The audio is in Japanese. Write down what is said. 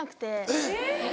えっ。